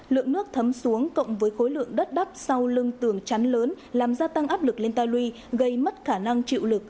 lượng nước thấm xuống cộng với khối lượng đất đắt sau lưng tường chắn lớn làm gia tăng áp lực lên ta luy gây mất khả năng chịu lực